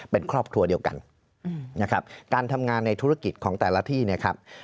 เป็นครอบครัวเดียวกันนะครับการทำงานในธุรกิจของแต่ละที่เนี่ยครับ